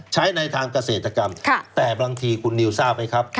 ใช้ในทางเกษตรกรรมแต่บางทีคุณนิวทราบไหมครับ